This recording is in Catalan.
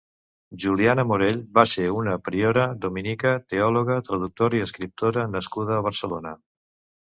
Juliana Morell va ser una priora dominica teòloga, traductora i escriptora nascuda a Barcelona.